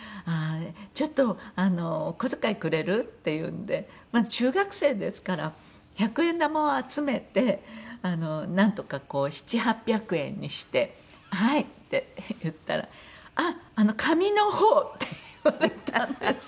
「ちょっとお小遣いくれる？」って言うんでまだ中学生ですから百円玉を集めてなんとかこう７００８００円にして「はい」って言ったら「あっ紙の方」って言われたんですね。